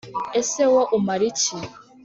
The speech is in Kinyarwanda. ese wo umara iki ?